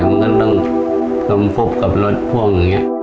มันก็ต้องกลมฟุกกับรถพวกอย่างเงี้ย